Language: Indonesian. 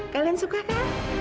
kalian suka kan